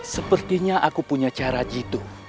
sepertinya aku punya cara jitu